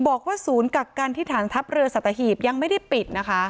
บอกว่าศูนย์กักกันที่ฐานทัพเรือสัตหีบยังไม่ได้ปิดนะคะ